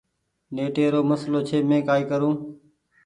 نيٽي رو مسلو ڇي مينٚ ڪآئي ڪرون